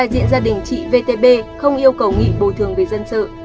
gia đình chị vtb không yêu cầu nghị bồi thường về dân sự